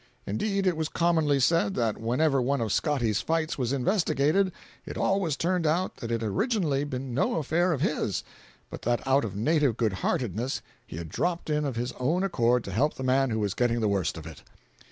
Indeed, it was commonly said that whenever one of Scotty's fights was investigated, it always turned out that it had originally been no affair of his, but that out of native goodheartedness he had dropped in of his own accord to help the man who was getting the worst of it.